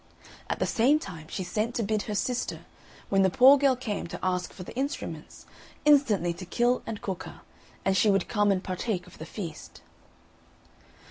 At the same time she sent to bid her sister, when the poor girl came to ask for the instruments, instantly to kill and cook her, and she would come and partake of the feast.